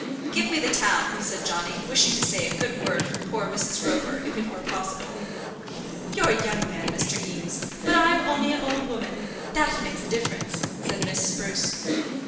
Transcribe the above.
"Give me the town," said Johnny, wishing to say a good word for poor Mrs. Roper, if it were possible. "You're a young man, Mr. Eames; but I'm only an old woman. That makes a difference," said Miss Spruce.